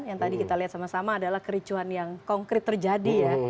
yang tadi kita lihat sama sama adalah kericuhan yang konkret terjadi ya